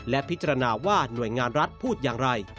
และพิจารณาว่าหน่วยงานรัฐพูดอย่างไร